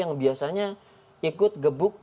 yang biasanya ikut gebuk